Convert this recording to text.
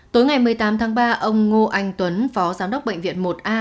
tối ngày một mươi tám tháng ba ông ngô anh tuấn phó giám đốc bệnh viện một a